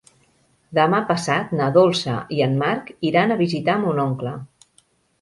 Demà passat na Dolça i en Marc iran a visitar mon oncle.